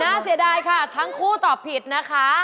เสียดายค่ะทั้งคู่ตอบผิดนะคะ